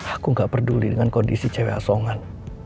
aku nggak peduli dengan kondisi cewek asongan